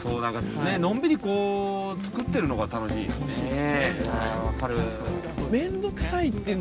のんびり作ってるのが楽しいよね。